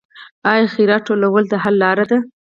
آیا خیرات ټولول د حل لاره ده؟